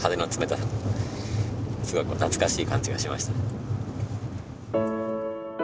すごいこう懐かしい感じがしました。